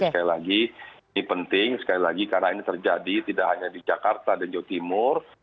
jadi sekali lagi ini penting sekali lagi karena ini terjadi tidak hanya di jakarta dan jawa timur